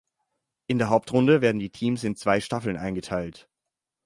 In der Hauptrunde werden die Teams in zwei Staffeln eingeteilt.